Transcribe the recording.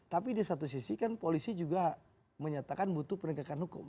tapi di satu sisi kan polisi juga menyatakan butuh penegakan hukum